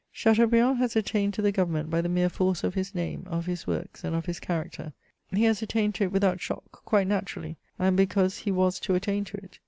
Chateaubriand has attained to the government by the mere force of his name, of his works, and of his character. He has attained to it without shock, quite naturally, and because he was to attain to it.